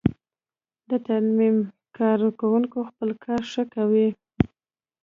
د ترمیم کارکوونکی خپل کار ښه کوي.